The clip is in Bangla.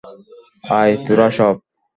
আয় তোরা সব।